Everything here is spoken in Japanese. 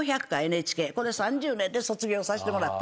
これ３０年で卒業させてもらった。